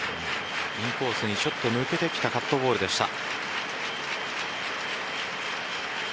インコースにちょっと抜けてきたカットボールでした。